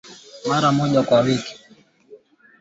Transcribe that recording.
mara mmoja iwapo walikuwa na nia nzuri